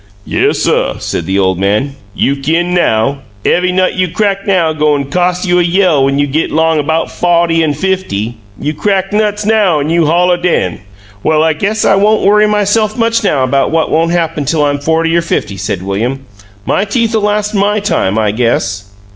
"Yes, suh," said the old man. "You kin now. Ev'y nut you crac' now goin' cos' you a yell when you git 'long 'bout fawty an' fifty. You crack nuts now an' you'll holler den!" "Well, I guess I won't worry myself much now about what won't happen till I'm forty or fifty," said William. "My teeth 'll last MY time, I guess."